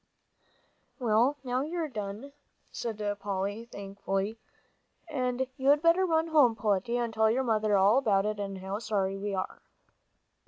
"Well, now you're done," said Polly, thankfully, "and you'd better run home, Peletiah, and tell your mother all about it, and how sorry we are."